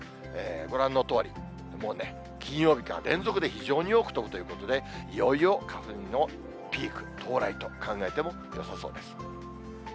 ご覧のとおり、もうね、金曜日から全国で非常に多く飛ぶということで、いよいよ花粉のピーク到来と考えてもよさそうです。